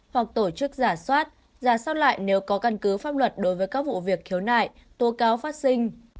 hoặc tổ chức giả soát giả soát lại nếu có căn cứ pháp luật đối với các vụ việc khiếu nại tố cáo phát sinh